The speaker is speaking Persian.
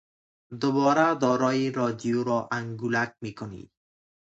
دوباره داری رادیو را انگولک میکنی!